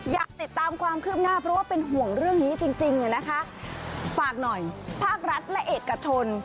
อยากติดตามความคืบหน้าเพราะว่าเป็นห่วงเรื่องนี้จริงจริงเนี่ยนะคะฝากหน่อยภาครัฐและเอกชน